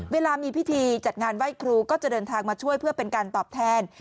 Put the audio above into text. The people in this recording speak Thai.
เวลามีพิธีจัดงานไหว้ครูก็จะเดินทางมาช่วยเพื่อเป็นการตอบแทน